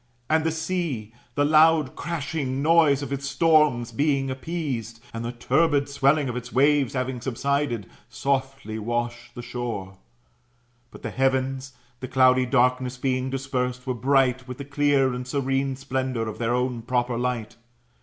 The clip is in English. And the sea, the loud crashing noise of its storms being appeased, and the turbid swelling of its waves having subsided, softly washed the shore. But the heavens, the cloudy darkness being dispersed, were bright with the clear and serene splendour of their own proper light.